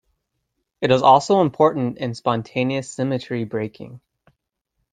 It is also important in spontaneous symmetry breaking.